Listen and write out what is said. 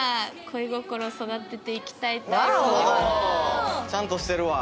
私結構ちゃんとしてるわ。